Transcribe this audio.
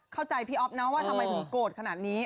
พี่อ๊อฟนะว่าทำไมถึงโกรธขนาดนี้